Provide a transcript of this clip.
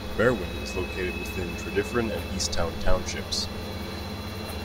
Berwyn is located within Tredyffrin and Easttown Townships.